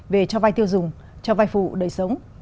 về cho vay tiêu dùng cho vay phụ đời sống